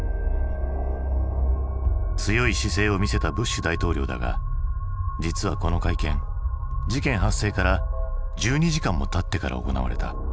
強い姿勢を見せたブッシュ大統領だが実はこの会見事件発生から１２時間もたってから行われた。